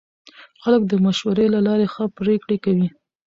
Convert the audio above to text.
خلک د مشورې له لارې ښه پرېکړې کوي